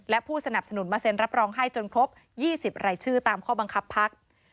และผู้สนับสนุนมาเซ็นรับรองให้จนครบ๒๐รายชื่อตามข้อบังคับพัก